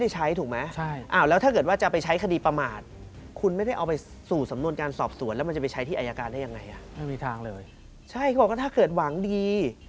ใช่เขาบอกว่าถ้าเกิดหวังดี